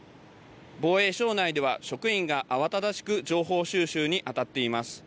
防衛省内では職員が慌ただしく情報収集にあたっています。